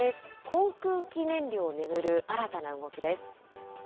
航空機燃料を巡る新たな動きです。